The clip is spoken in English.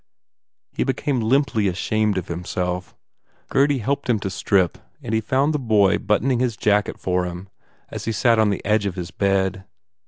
He became limply ashamed of himself. Gurdy helped him to strip and he found the boy button ing his jacket for him as he sat on the edge of his bed.